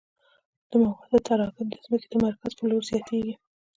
د موادو تراکم د ځمکې د مرکز په لور زیاتیږي